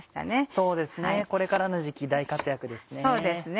そうですねこれからの時期大活躍ですね。